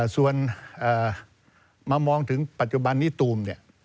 ส่วนมามองถึงปัจจุบันนี้ตูมเนี่ย